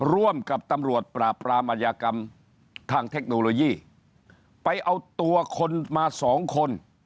ร่วมกับตำรวจปราบปรามอัญญากรรมทางเทคโนโลยีไปเอาตัวคนมาสองคน